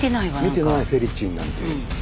見てないフェリチンなんていうのは。